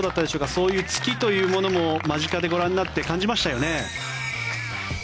そういうツキというものも間近でご覧になって感じましたよね。